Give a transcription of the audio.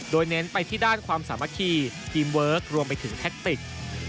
โดยเน้นไปที่ด้านความสามัคคีทีมเวิร์ครวมไปถึงแท็กติก